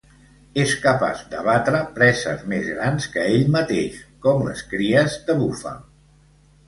És capaç d'abatre preses més que grans que ell mateix, com les cries de búfal.